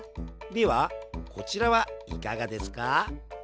ではこちらはいかがですか？